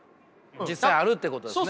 実際あるっていうことですね？